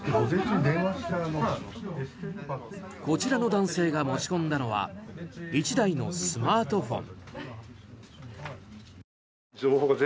こちらの男性が持ち込んだのは１台のスマートフォン。